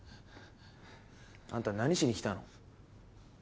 あんた何しにきたの？